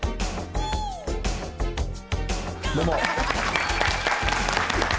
どうも。